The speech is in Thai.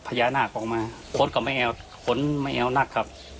พระยานาคต์ลงมาโคตรก็ไม่แอ้วโคตรไม่แอ้วนักครับ